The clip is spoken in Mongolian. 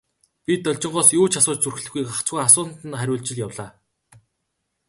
Би Должингоос юу ч асууж зүрхлэхгүй, гагцхүү асуусанд нь хариулж явлаа.